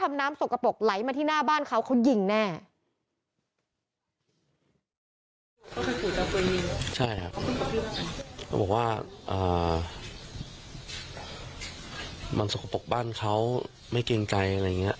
มันสกปรกบ้านเขาไม่เกรงใจอะไรอย่างนี้